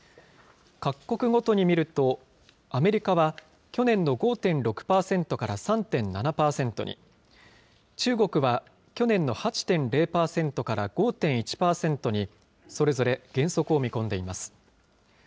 各国ごとに見ると、アメリカは去年の５．６％から３．７％に、中国は去年の８．０％から５．１％に、それぞれ減速を見込んでいます。